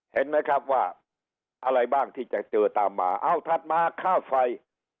เห็นไหมครับว่าอะไรบ้างที่จะเจอตามมาเอาถัดมาค่าไฟ